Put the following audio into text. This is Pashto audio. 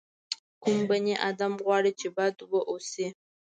کوم بني ادم غواړي چې بد واوسي.